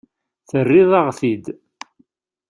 Terriḍ-aɣ-t-id.